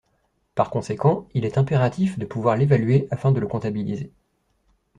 Par conséquent il est impératif de pouvoir l'évaluer afin de le comptabiliser.